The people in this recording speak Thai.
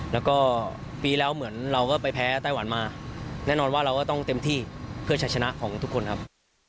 แล้วก็ปีแล้วเหมือนเราก็ไปแพ้ไต้หวันมาแน่นอนว่าเราก็ต้องเต็มที่เพื่อใช้ชนะของทุกคนครับ